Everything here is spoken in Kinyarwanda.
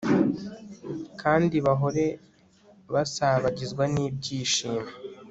kandi bahore basabagizwa n'ibyishimo